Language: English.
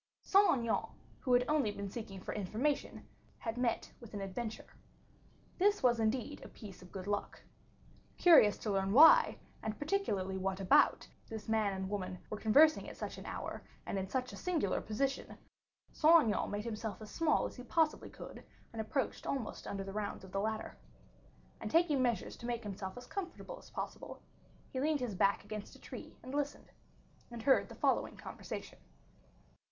Saint Aignan, who had only been seeking for information, had met with an adventure. This was indeed a piece of good luck. Curious to learn why, and particularly what about, this man and woman were conversing at such an hour, and in such a singular position, Saint Aignan made himself as small as he possibly could, and approached almost under the rounds of the ladder. And taking measures to make himself as comfortable as possible, he leaned his back against a tree and listened, and heard the following conversation.